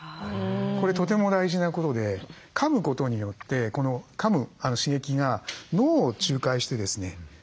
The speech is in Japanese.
これとても大事なことでかむことによってこのかむ刺激が脳を仲介してですね